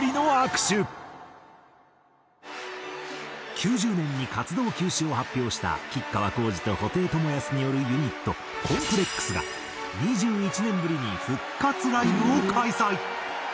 ９０年に活動休止を発表した吉川晃司と布袋寅泰によるユニットＣＯＭＰＬＥＸが２１年ぶりに復活ライブを開催。